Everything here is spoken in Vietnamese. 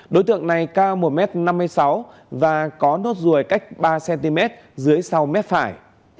đối tượng này cao một m năm mươi sáu và có nốt ruồi cách ba cm dưới sau mép phải